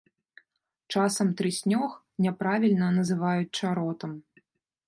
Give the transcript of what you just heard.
Часам трыснёг няправільна называюць чаротам.